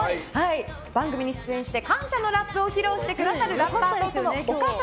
番組に出演して感謝のラップを披露してくださるラッパーとそのお母様。